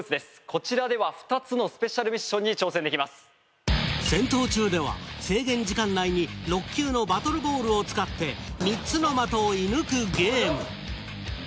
こちらでは２つのスペシャルミッションに「戦闘中」では制限時間内に６球のバトルボールを使って３つの的を射ぬくゲーム。